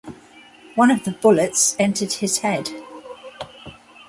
One of the bullets entered his head.